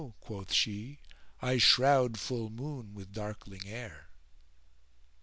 * Quoth she, "I shroud full moon with darkling air!"